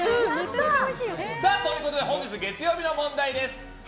本日月曜日の問題です。